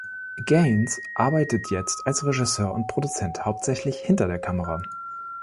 Gaines arbeitet jetzt als Regisseur und Produzent hauptsächlich hinter der Kamera.